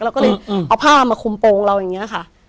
เราก็เลยเอาผ้ามาคุมโปรงเราอย่างนี้ค่ะ